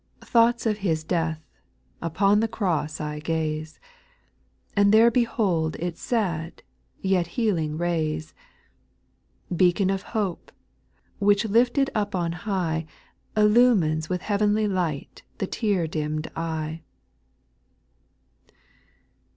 4. Thoughts of His death; — upon the cross I gaze. And there behold its sad, yet healing rays ; Beacon of hope, which lifted up on high, Dlumes with heavenly light the tear dimm*d eye.